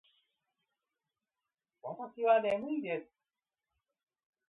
わたしはねむいです。